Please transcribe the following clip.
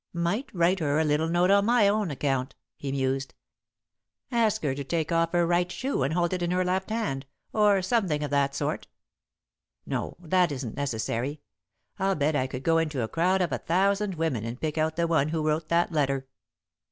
"Might write her a little note on my own account," he mused. "Ask her to take off her right shoe and hold it in her left hand, or something of that sort. No, that isn't necessary. I'll bet I could go into a crowd of a thousand women and pick out the one who wrote that letter."